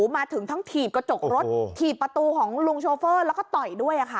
มาถึงทั้งถีบกระจกรถถีบประตูของลุงโชเฟอร์แล้วก็ต่อยด้วยค่ะ